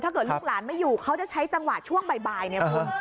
ลูกหลานไม่อยู่เขาจะใช้จังหวะช่วงบ่ายเนี่ยคุณ